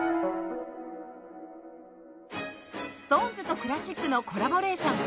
ＳｉｘＴＯＮＥＳ とクラシックのコラボレーション